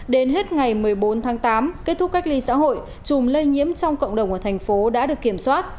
đến hết ngày một mươi bốn tháng tám kết thúc cách ly xã hội chùm lây nhiễm trong cộng đồng ở thành phố đã được kiểm soát